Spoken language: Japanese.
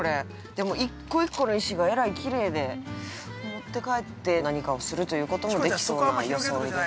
でも、一個一個の石がえらいきれいで持って帰って何かをするということもできそうな装いです。